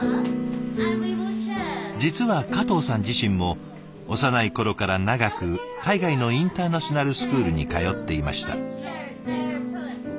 実は加藤さん自身も幼い頃から長く海外のインターナショナルスクールに通っていました。